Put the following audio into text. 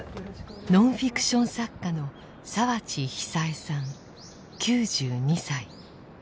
ノンフィクション作家の澤地久枝さん９２歳。